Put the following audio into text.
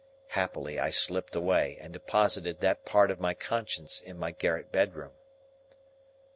Happily I slipped away, and deposited that part of my conscience in my garret bedroom.